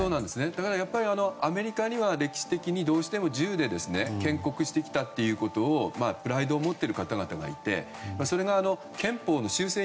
だから、アメリカには歴史的にどうしても銃で建国してきたというプライドを持っている方々がいてそれが憲法の修正